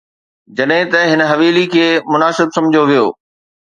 جڏهن ته هن حويلي کي مناسب سمجهيو ويو.